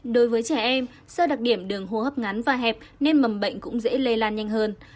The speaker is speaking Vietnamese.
đối với trẻ em do đặc điểm đường hô hấp ngắn và hẹp nên mầm bệnh cũng dễ lây lan nhanh hơn